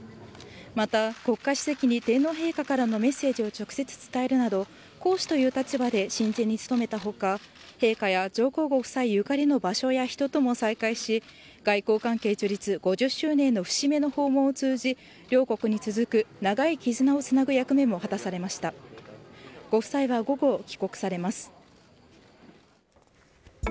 また国家主席に天皇陛下からのメッセージを直接伝えるなど、皇嗣という立場で親善に努めたほか、陛下や上皇ご夫妻ゆかりの場所や人とも再会し、外交関係樹立５０周年の節目の訪問を通じ、激闘を終えたバレーボールの女子日本代表。